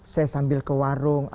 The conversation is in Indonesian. saya sambil ke warung